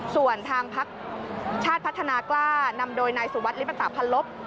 ส่วนทางพักชาติพัฒนากล้านำโดยนายสุวัสดิลิปตะพันลบ